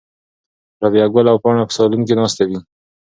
رابعه ګل او پاڼه په صالون کې ناستې دي.